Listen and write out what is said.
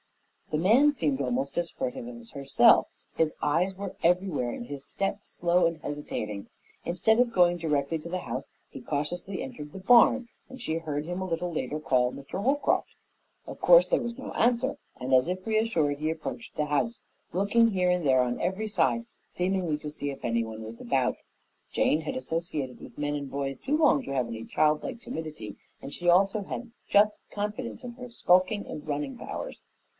The man seemed almost as furtive as herself; his eyes were everywhere and his step slow and hesitating. Instead of going directly to the house he cautiously entered the barn, and she heard him a little later call Mr. Holcroft. Of course there was no answer, and as if reassured, he approached the house, looking here and there on every side, seemingly to see if anyone was about. Jane had associated with men and boys too long to have any childlike timidity, and she also had just confidence in her skulking and running powers.